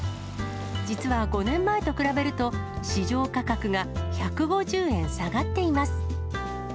実は５年前と比べると、市場価格が１５０円下がっています。